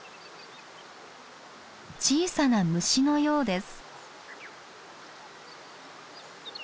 小さな虫のようです。